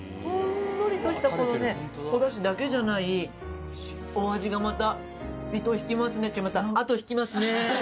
ほんのりとしたこのねおだしだけじゃないお味がまた糸を引きますね違った。